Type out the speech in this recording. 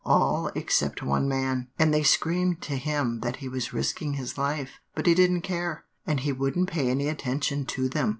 All except one man, and they screamed to him that he was risking his life; but he didn't care, and he wouldn't pay any attention to them.